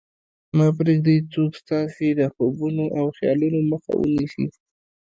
مه پرېږدئ څوک ستاسې د خوبونو او خیالونو مخه ونیسي